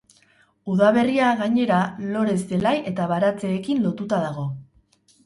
Udaberria, gainera, lore, zelai eta baratzeekin lotuta dago.